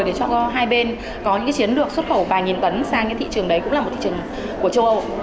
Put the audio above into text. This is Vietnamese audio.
để cho hai bên có những chiến lược xuất khẩu vài nghìn tấn sang cái thị trường đấy cũng là một thị trường của châu âu